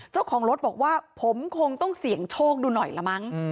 เจ้าของรถบอกว่าผมคงต้องเสี่ยงโชคดูหน่อยละมั้ง